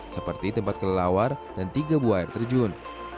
seperti tempat kelelawar dan tiga buah air terjun